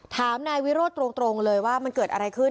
ถามนายวิโรธตรงเลยว่ามันเกิดอะไรขึ้น